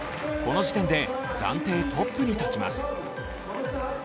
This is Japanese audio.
この時点で暫定トップに立ちます。